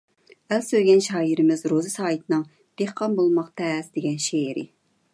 ئەل سۆيگەن شائىرىمىز روزى سايىتنىڭ «دېھقان بولماق تەس» دېگەن شېئىرى.